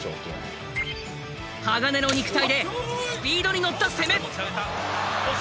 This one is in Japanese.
鋼の肉体でスピードに乗った攻め。